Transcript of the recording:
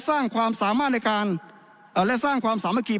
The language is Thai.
สร้างความสามารถในการและสร้างความสามัคคี